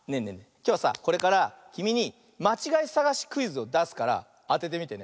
きょうはさこれからきみにまちがいさがしクイズをだすからあててみてね。